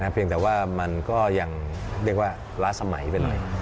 เพียงแต่ว่ามันก็ยังล้าสมัยไปหน่อย